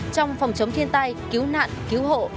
trong phòng chống thiên tai cứu nạn cứu hộ